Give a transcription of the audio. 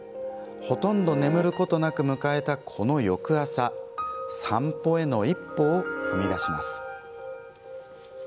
ほとんど眠ることなく迎えたこの翌朝散歩への一歩を踏み出します。